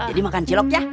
jadi makan ciloknya